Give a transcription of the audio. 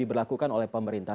diberlakukan oleh pemerintah